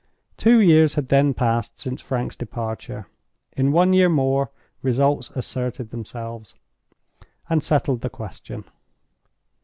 Two years had then passed since Frank's departure. In one year more results asserted themselves, and settled the question.